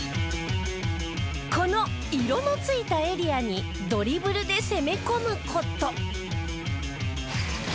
この色のついたエリアにドリブルで攻め込む事。